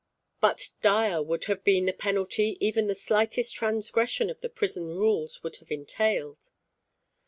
But dire would have been the penalty even the slightest transgression of the prison rules would have entailed.